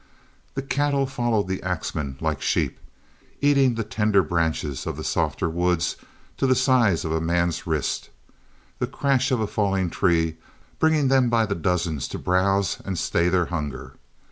The cattle followed the axemen like sheep, eating the tender branches of the softer woods to the size of a man's wrist, the crash of a falling tree bringing them by the dozens to browse and stay their hunger.